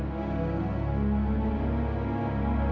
semoga kemampuan menyenangkan